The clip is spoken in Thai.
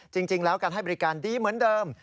จริงแล้วการให้บริการดีเหมือนเดิม